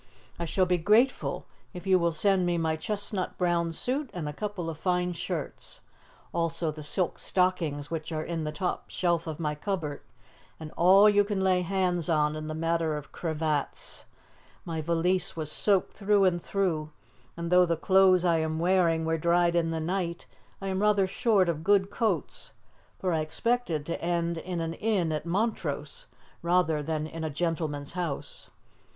I shall be grateful if you will send me my chestnut brown suit and a couple of fine shirts, also the silk stockings which are in the top shelf of my cupboard, and all you can lay hands on in the matter of cravats. My valise was soaked through and through, and, though the clothes I am wearing were dried in the night, I am rather short of good coats, for I expected to end in an inn at Montrose rather than in a gentleman's house.